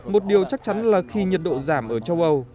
một điều chắc chắn là khi nhiệt độ giảm ở châu âu